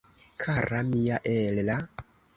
Kara mia Ella!